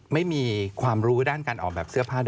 ไม่มีความรู้ด้านการออกแบบเสื้อผ้าด้วย